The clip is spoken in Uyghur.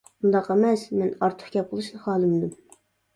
-ئۇنداق ئەمەس-مەن ئارتۇق گەپ قىلىشنى خالىمىدىم.